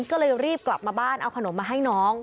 ก็เลยรีบกลับมาบ้านเอาขนมมาให้น้อง